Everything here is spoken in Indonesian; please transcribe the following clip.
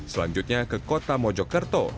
selanjutnya ke kota mojokerto